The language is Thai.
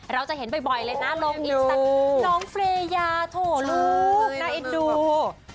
เราจะเห็นบ่อยเลยนะน้องเฟรยาโถ่ลูกน่าเอ็ดดู